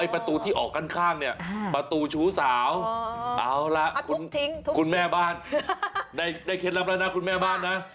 ประตูที่ออกข้างเนี่ยประตูชู้สาวเอาล่ะคุณแม่บ้านได้เคล็ดลับแล้วนะคุณแม่บ้านนะ